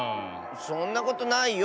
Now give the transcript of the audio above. そんなことないよ。